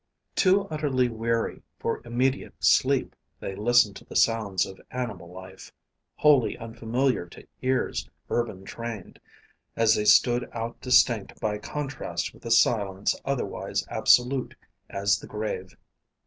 Too utterly weary for immediate sleep, they listened to the sounds of animal life wholly unfamiliar to ears urban trained as they stood out distinct by contrast with a silence otherwise absolute as the grave.